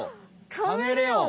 カメレオン！